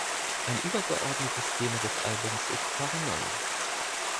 Ein übergeordnetes Thema des Albums ist Paranoia.